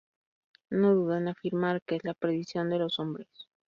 No duda en afirmar que es la perdición de los hombres.